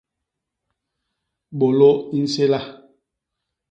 Bôlô i nséla.